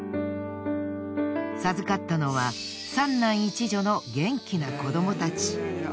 授かったのは３男１女の元気な子どもたち。